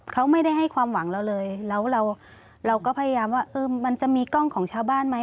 เขาไม่ได้ให้ความหวังเราเลยแล้วเราก็พยายามว่ามันจะมีกล้องของชาวบ้านไหม